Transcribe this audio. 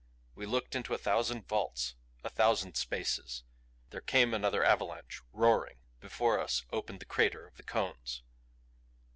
We looked into a thousand vaults, a thousand spaces. There came another avalanche roaring before us opened the crater of the cones.